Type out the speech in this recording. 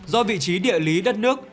do vị trí địa lý đất nước